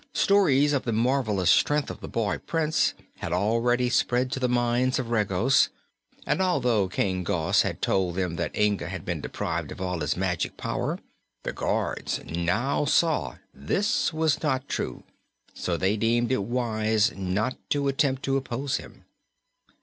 Stories of the marvelous strength of the boy Prince had already spread to the mines of Regos, and although King Gos had told them that Inga had been deprived of all his magic power, the guards now saw this was not true, so they deemed it wise not to attempt to oppose him.